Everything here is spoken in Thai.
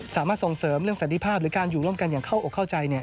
สามารถส่งเสริมเรื่องสันติภาพหรือการอยู่ร่วมกันอย่างเข้าอกเข้าใจ